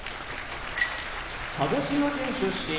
鹿児島県出身